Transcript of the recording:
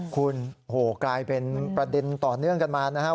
คุณโอ้โหกลายเป็นประเด็นต่อเนื่องกันมานะครับ